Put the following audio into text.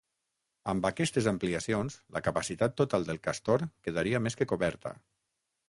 Amb aquestes ampliacions, la capacitat total del Castor quedaria més que coberta.